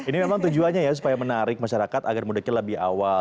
ini memang tujuannya ya supaya menarik masyarakat agar mudiknya lebih awal